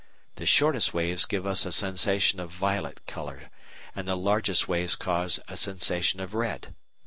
The shortest waves give us a sensation of violet colour, and the largest waves cause a sensation of red.